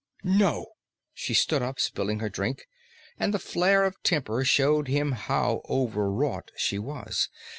"No!" She stood up, spilling her drink, and the flare of temper showed him how overwrought she was.